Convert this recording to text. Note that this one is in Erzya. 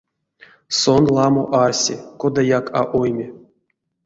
Сон ламо арси, кодаяк а ойми.